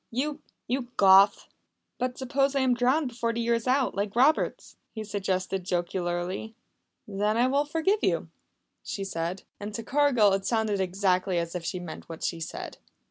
You you Goth!" "But suppose I am drowned before the year is out like Roberts?" he suggested jocularly. "Then I will forgive you," she said. And to Cargill it sounded exactly as if she meant what she said.